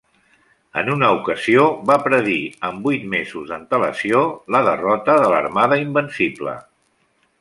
En una ocasió, va predir amb vuit mesos d'antelació la derrota de l'Armada Invencible.